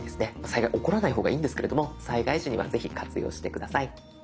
災害は起こらない方がいいんですけれども災害時にはぜひ活用して下さい。